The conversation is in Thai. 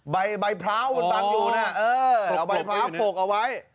ใบใบพร้าวที่สวนปาล์มอยู่นะเออเอาใบพร้าวปกเอาไว้